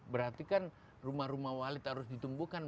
berarti kan rumah rumah walid harus ditumbuhkan